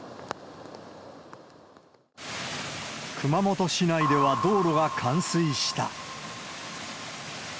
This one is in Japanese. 熊本市内では道路が冠水した。